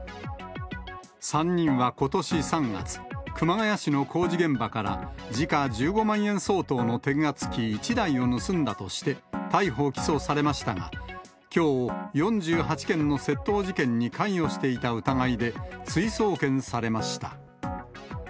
３人はことし３月、熊谷市の工事現場から、時価１５万円相当の転圧機１台を盗んだとして、逮捕・起訴されましたが、きょう、４８件の窃盗事件に関与していた疑いで、追送検されました。